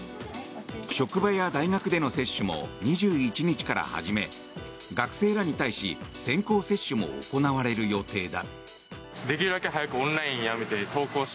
職場や大学での接種も２１日から始め学生らに対し先行接種も行われる予定だ。